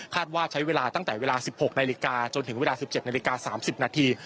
ว่าใช้เวลาตั้งแต่เวลา๑๖นาฬิกาจนถึงเวลา๑๗นาฬิกา๓๐นาที